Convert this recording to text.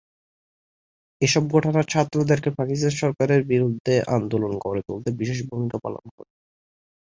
এসব ঘটনা ছাত্রদেরকে পাকিস্তান সরকারের বিরুদ্ধে আন্দোলন গড়ে তুলতে বিশেষ ভূমিকা পালন করে।